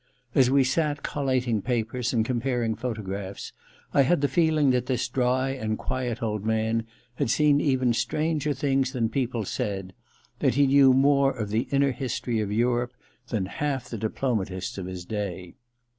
As we sat collatinc; papers and comparing photographs, I had the reeling that this dry and quiet old man had seen even stranger things than people said : that he knew more of the inner history of Europe than half the diploma tists of his day.